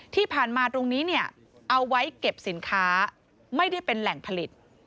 ตรงนี้เนี่ยเอาไว้เก็บสินค้าไม่ได้เป็นแหล่งผลิต